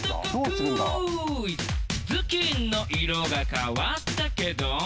「頭巾の色が変わったけど」